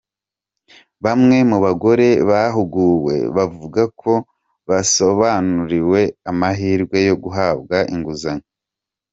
Bamwe mu bagore bahuguwe bavuga ko basobanuriwe amahirwe yo guhabwa inguzanyo.